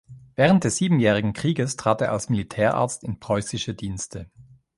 Während des Siebenjährigen Krieges trat er als Militärarzt in preußische Dienste.